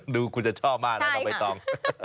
ดูคุณจะชอบมากนะไม่ต้อง